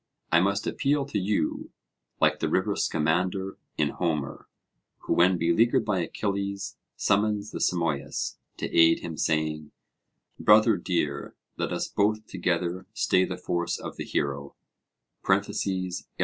I must appeal to you, like the river Scamander in Homer, who, when beleaguered by Achilles, summons the Simois to aid him, saying: 'Brother dear, let us both together stay the force of the hero (Il.).'